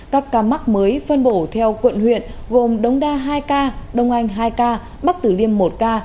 các ca mắc mới phân bổ theo quận huyện gồm đống đa hai ca đông anh hai ca bắc tử liêm một ca